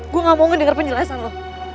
gue gak mau ngedengar penjelasan lo